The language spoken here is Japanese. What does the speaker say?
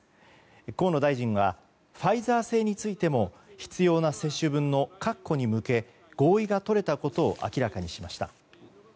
河野大臣はファイザー製についても必要な接種分の確保に向け合意が取れたことを明らかにしました。